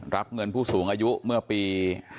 รับเงินผู้สูงอายุเมื่อปี๕๗